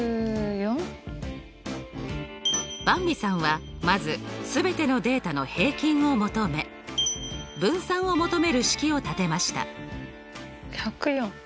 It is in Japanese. ばんびさんはまず全てのデータの平均を求め分散を求める式を立てました。